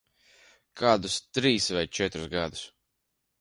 Kādus trīs vai četrus gadus.